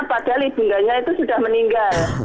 padahal ibundanya itu sudah meninggal